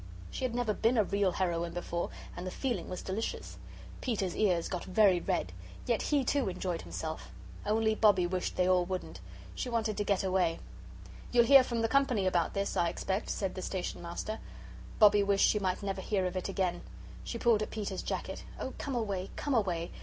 She had never been a real heroine before, and the feeling was delicious. Peter's ears got very red. Yet he, too, enjoyed himself. Only Bobbie wished they all wouldn't. She wanted to get away. "You'll hear from the Company about this, I expect," said the Station Master. Bobbie wished she might never hear of it again. She pulled at Peter's jacket. "Oh, come away, come away!